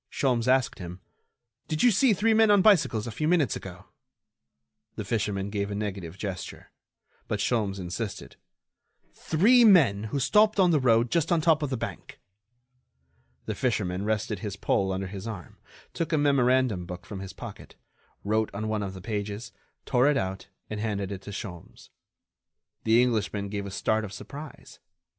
Sholmes asked him: "Did you see three men on bicycles a few minutes ago?" The fisherman made a negative gesture. But Sholmes insisted: "Three men who stopped on the road just on top of the bank?" The fisherman rested his pole under his arm, took a memorandum book from his pocket, wrote on one of the pages, tore it out, and handed it to Sholmes. The Englishman gave a start of surprise.